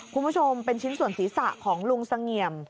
คุณผู้ชมเป็นชิ้นส่วนศีรษะของลุงเสงี่ยม